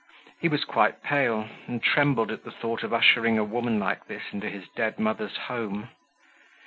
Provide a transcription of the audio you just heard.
He was quite pale, and trembled at the thought of ushering a woman like this into his dead mother's home.